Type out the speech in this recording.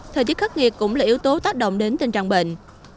thời tiết khắc nghiệt cũng là yếu tố tác động đến tình trạng bệnh